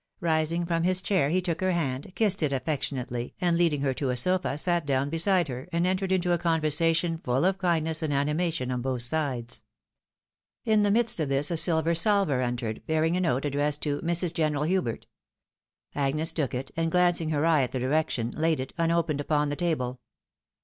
Rising from his chair, he took her hand, kissed it affectionately, and leading her to a sofa, sat down beside her, and entered into a conversation fuU of kindness and animation on both sides.' In the midst of this a silver salver entered, bearing a note addressed to " Mrs. General Hubert." Agnes took it, and glancing her eye at the direction, laid it, unopened, upon the table.